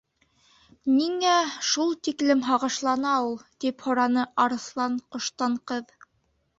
—Ниңә шул тиклем һағышлана ул? —тип һораны Арыҫлан- ҡоштан ҡыҙ.